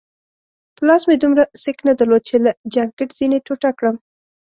په لاس مې دومره سېک نه درلود چي له جانکټ ځینې ټوټه کړم.